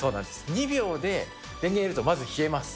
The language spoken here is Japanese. ２秒で電源入れるとまず冷えます。